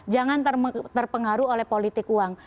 jangan terpengaruh oleh politik uang